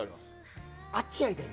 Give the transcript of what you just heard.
あっち、やりたい。